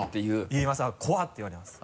言います「怖い」って言われます。